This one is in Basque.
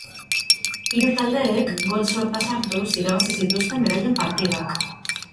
Hiru taldeek gol sorta sartuz irabazi zituzten beraien partidak.